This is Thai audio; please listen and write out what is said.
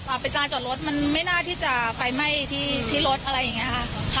ไปลานจอดรถมันไม่น่าที่จะไฟไหม้ที่ที่รถอะไรอย่างเงี้ยค่ะ